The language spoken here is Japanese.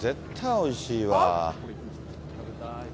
おいしい！